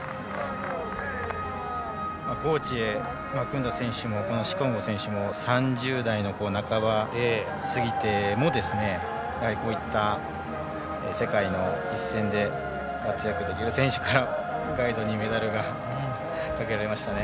コーチへ、マクンダ選手もシコンゴ選手も３０代の半ば過ぎてもこういった世界の一線で活躍できる選手からガイドにメダルがかけられましたね。